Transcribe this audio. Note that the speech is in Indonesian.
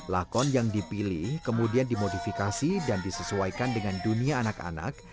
lakon yang dipilih kemudian dimodifikasi dan disesuaikan dengan dunia anak anak